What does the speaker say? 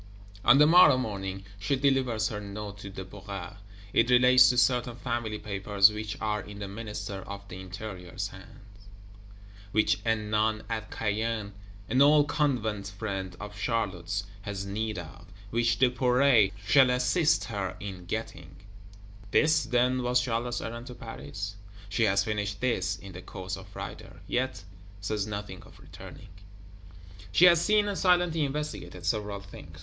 On the morrow morning, she delivers her Note to Duperret. It relates to certain Family Papers which are in the Minister of the Interior's hands; which a Nun at Caen, an old Convent friend of Charlotte's, has need of; which Duperret shall assist her in getting: this then was Charlotte's errand to Paris? She has finished this, in the course of Friday: yet says nothing of returning. She has seen and silently investigated several things.